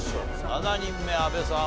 ７人目阿部さん